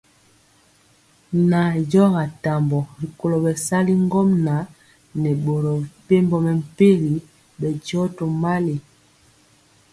Nandiɔ ga tambɔ rikolo bɛsali ŋgomnaŋ nɛ boro mepempɔ mɛmpegi bɛndiɔ tomali.